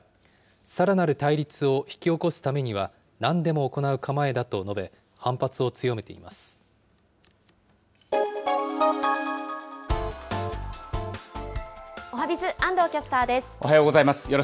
さらなる対立を引き起こすためにはなんでも行う構えだと述べ、反おはＢｉｚ、おはようございます。